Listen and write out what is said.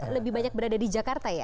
lebih banyak berada di jakarta ya